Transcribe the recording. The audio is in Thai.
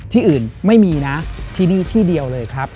ที่อื่นไม่มีนะที่นี่ที่เดียวเลยครับ